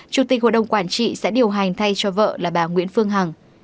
chủ tịch hội đồng quản trị sẽ điều hành thay cho vợ là bà nguyễn phương hằng